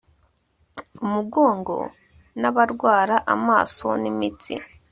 umugongo nabarwara amaso nimitsi